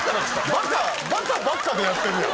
バカバカばっかでやってるやん